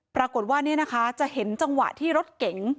ปรากฏว่านี่นะคะจะเห็นจังหวะที่รถเก๋ง